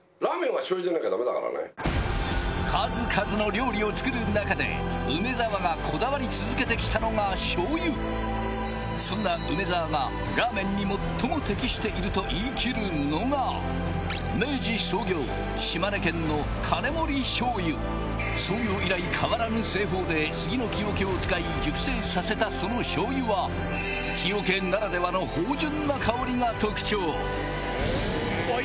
数々の料理を作る中で梅沢がこだわり続けてきたのがしょう油そんな梅沢がラーメンに最も適していると言いきるのが島根県の創業以来変わらぬ製法で杉の木桶を使い熟成させたそのしょう油は木桶ならではの芳醇な香りが特徴あっ